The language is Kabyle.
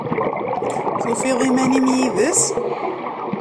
Tufiḍ iman-im yid-s?